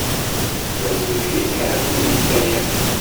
Ṭṭeẓ deg-k a ɛemmi Yennayer!